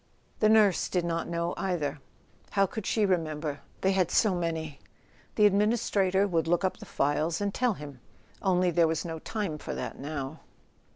The nurse did not know either. How could she remember ? They had so many ! The administrator would look up the files and tell him. Only there was no time for that now.